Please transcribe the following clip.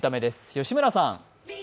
吉村さん。